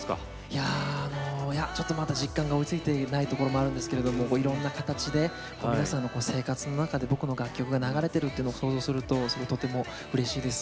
いやまだ実感が追いついていないところもあるんですけれどもいろんな形で皆さんの生活の中で僕の楽曲が流れてるっていうのを想像するととてもうれしいです。